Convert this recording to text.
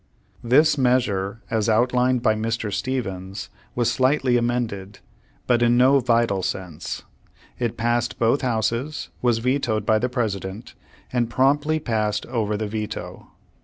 This measure as outlined by Mr. Stevens, was slightly amended, but in no vital sense. It passed both Houses, was vetoed by the President, and promptly passed over the veto.